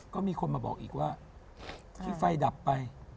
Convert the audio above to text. ก็มีคนมาบอกอีกว่าที่ไฟดับไป